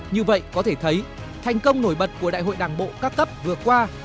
như vậy có thể thấy thành công nổi bật của đại hội đảng bộ các cấp vừa qua